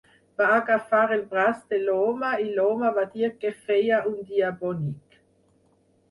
Va agafar el braç de l'home i l'home va dir que feia un dia bonic.